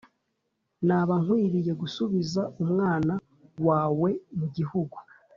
Naba nkwiriye gusubiza umwana wawe mu gihugu